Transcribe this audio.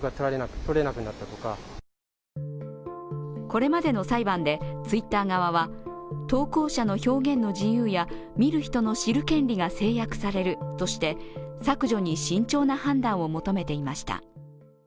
これまでの裁判でツイッター側は投稿者の表現の自由や見る人の知る権利が制約されるとして削除に慎重な判断を求めていました。